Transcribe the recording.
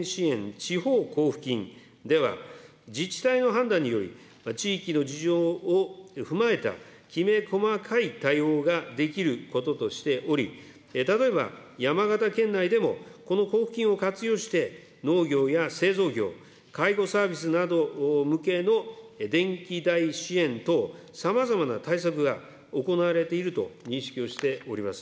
地方交付金では、自治体の判断により、地域の事情を踏まえたきめ細かい対応ができることとしており、ただいま、山形県内でも、この交付金を活用して、農業や製造業、介護サービスなど向けの電気代支援等、さまざまな対策が行われていると認識をしております。